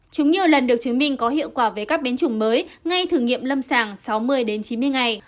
chúng nhiều lần được chứng minh có hiệu quả về các biến chủng mới ngay thử nghiệm lâm sàng sáu mươi đến chín mươi ngày